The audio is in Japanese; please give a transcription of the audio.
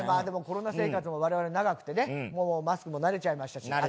でもコロナ生活も我々長くてねもうマスクも慣れちゃいましたし。